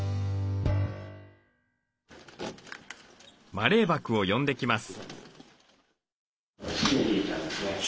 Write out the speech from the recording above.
マレーバクを呼んできます。